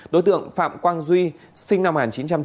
đối tượng phạm quang duy sinh năm một nghìn chín trăm tám mươi